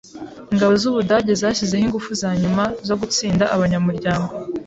Ingabo z’Ubudage zashyizeho ingufu za nyuma zo gutsinda Abanyamuryango.